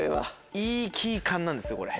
いいキー感なんですよ。